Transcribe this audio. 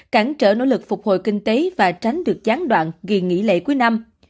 cản trở nỗ lực phục hồi kinh tế và tránh được gián đoạn kỳ nghỉ lễ cuối năm